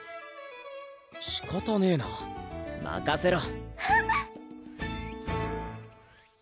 しかたねぇなまかせろ！